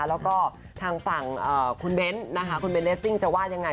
แล้วก็ทางฝั่งคุณเบ้นนะคะคุณเบนเรสซิ่งจะว่ายังไง